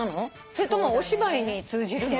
それともお芝居に通じるの？